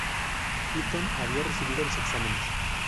Hilton había recibido los exámenes.